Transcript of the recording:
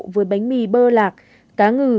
với bánh mì bơ lạc cá ngừ